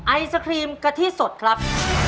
ไอศครีมกะทิสดครับ